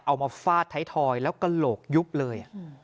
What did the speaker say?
มาฟาดไทยทอยแล้วกระโหลกยุบเลย